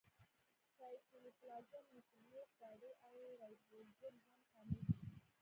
سایټوپلازم، نیوکلیوس باډي او رایبوزوم هم شامل دي.